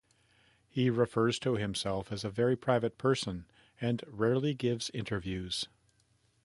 He refers to himself as a "very private person" and rarely gives interviews.